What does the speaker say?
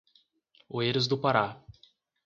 Oeiras do Pará